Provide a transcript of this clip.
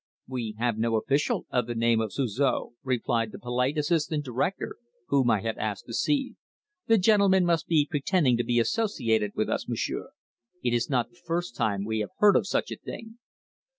"We have no official of the name of Suzor," replied the polite assistant director whom I had asked to see. "The gentleman must be pretending to be associated with us, monsieur. It is not the first time we have heard of such a thing."